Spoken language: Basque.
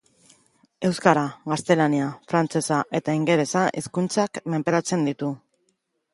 Euskara, gaztelania, frantsesa eta ingelesa hizkuntzak menperatzen ditu.